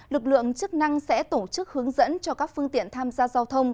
lực lượng chức năng sẽ tổ chức hướng dẫn cho các phương tiện tham gia giao thông